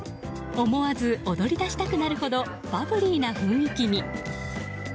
思わず踊り出したくなるほどバブリーな雰囲気に。